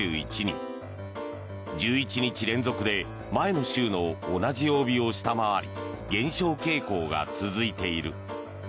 １１日連続で前の週の同じ曜日を下回り減少傾向が続いている。